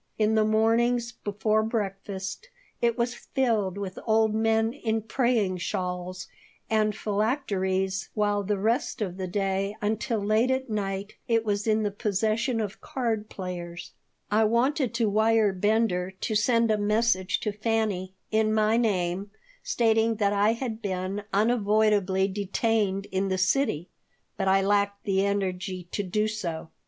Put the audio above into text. In the mornings, before breakfast, it was filled with old men in praying shawls and phylacteries, while the rest of the day, until late at night, it was in the possession of card players I wanted to wire Bender to send a message to Fanny, in my name, stating that I had been unavoidably detained in the city, but I lacked the energy to do so.